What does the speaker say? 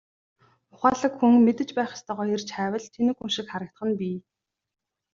Ухаалаг хүн мэдэж байх ёстойгоо эрж хайвал тэнэг хүн шиг харагдах нь бий.